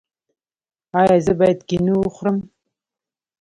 ایا زه باید کینو وخورم؟